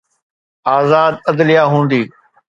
آزاد عدليه هوندي.